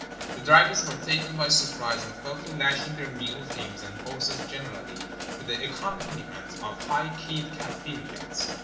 The drivers were taken by surprise, and fell to lashing their mule teams and horses, generally to the accom paniment of high keyed Kafir yells.